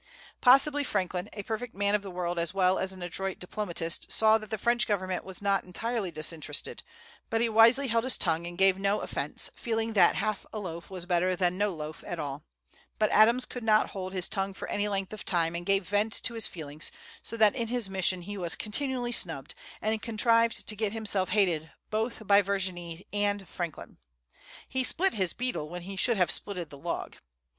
Possibly Franklin, a perfect man of the world as well as an adroit diplomatist, saw that the French Government was not entirely disinterested; but he wisely held his tongue, and gave no offence, feeling that half a loaf was better than no loaf at all; but Adams could not hold his tongue for any length of time, and gave vent to his feelings; so that in his mission he was continually snubbed, and contrived to get himself hated both by Vergennes and Franklin. "He split his beetle when he should have splitted the log."